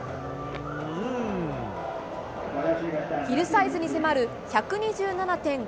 ヒルサイズに迫る１２７．５ｍ。